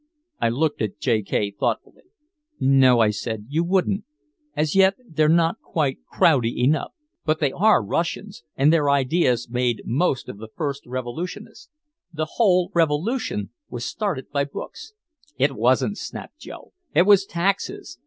I looked at J. K. thoughtfully. "No," I said. "You wouldn't. As yet they're not quite crowdy enough. But they are Russians and their ideas made most of the first revolutionists. The whole revolution was started by books." "It wasn't," snapped Joe. "It was taxes.